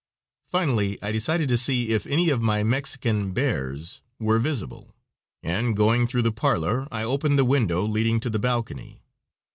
Finally, I decided to see if any of my Mexican "bears" wore visible; and, going through the parlor, I opened the window leading to the balcony.